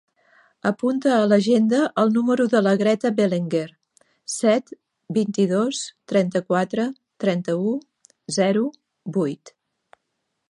Apunta a l'agenda el número de la Greta Belenguer: set, vint-i-dos, trenta-quatre, trenta-u, zero, vuit.